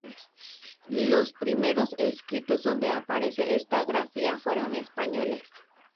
Los primeros escritos donde aparece esta grafía fueron españoles.